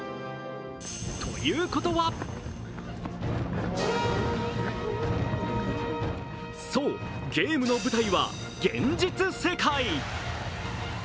ということはそう、ゲームの舞台は現実世界。